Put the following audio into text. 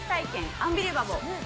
アンビリバボー」。